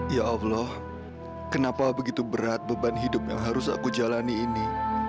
ya allah kenapa begitu berat beban hidup yang harus aku jalani ini